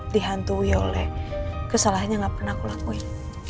dihantui oleh kesalahan yang gak pernah aku lakuin